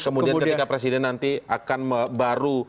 kemudian ketika presiden nanti akan baru